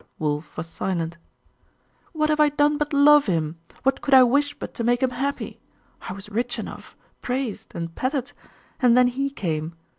Wulf was silent. 'What have I done but love him? What could I wish but to make him happy? I was rich enough, praised, and petted;.... and then he came